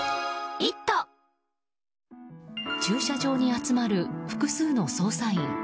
駐車場に集まる複数の捜査員。